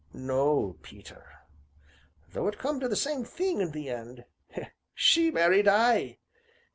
"No, Peter, though it come to the same thing in the end she married I.